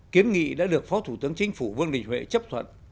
kiến nghị đã được phó thủ tướng chính phủ vương đình huệ chấp thuận